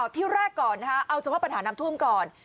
ที่แรกก่อนนะคะเอาเฉพาะปัญหาน้ำท่วมก่อน